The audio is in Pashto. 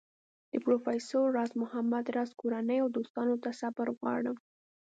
د پروفیسر راز محمد راز کورنۍ او دوستانو ته صبر غواړم.